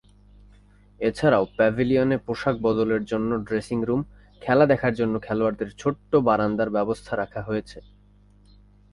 এছাড়াও, প্যাভিলিয়নে পোশাক বদলের জন্য ড্রেসিং রুম, খেলা দেখার জন্য খেলোয়াড়দের ছোট্ট বারান্দার ব্যবস্থা রাখা হয়েছে।